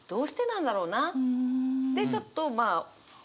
でちょっとまあ。